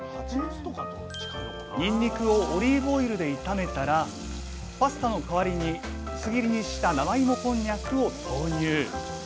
にんにくをオリーブオイルで炒めたらパスタの代わりに薄切りにした生芋こんにゃくを投入。